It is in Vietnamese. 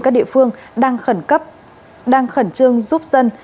các địa phương đang khẩn trương giúp dân